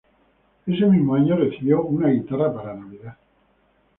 Ese mismo año, recibió una guitarra para Navidad.